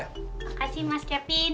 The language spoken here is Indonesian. makasih mas kevin